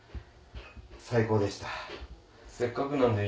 最高でした！